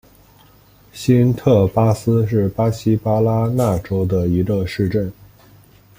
新特巴斯是巴西巴拉那州的一个市镇。